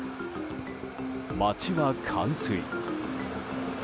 街は冠水。